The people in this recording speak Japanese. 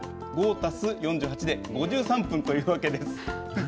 足す４８で５３分というわけです。